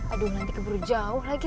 aduh nanti keburu jauh lagi